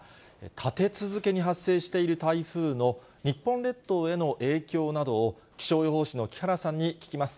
立て続けに発生している台風の日本列島への影響などを、気象予報士の木原さんに聞きます。